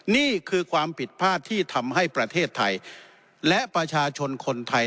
นี่คือความผิดพลาดที่ทำให้ประเทศไทยและประชาชนคนไทย